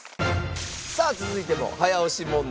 さあ続いても早押し問題です。